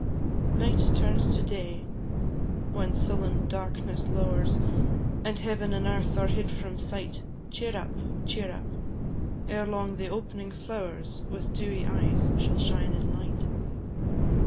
Night turns to day: When sullen darkness lowers, And heaven and earth are hid from sight, Cheer up, cheer up; Ere long the opening flowers, With dewy eyes, shall shine in light.